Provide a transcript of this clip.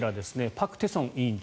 パク・テソン委員長。